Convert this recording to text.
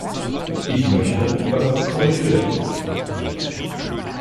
Ich möchte, dass das korrigiert wird.